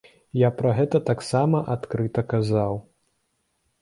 Я пра гэта таксама адкрыта казаў.